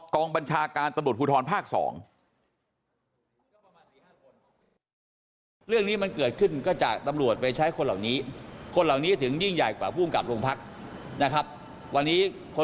กองบัญชาการตำรวจภูทรภาคสอง